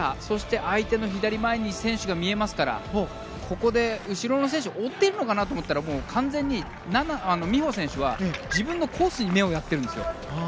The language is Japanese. そして左前に相手の選手が見えますからここで後ろの選手を追っているのかなと思ったら完全に美帆選手は自分のコースに目をやっているんですよ。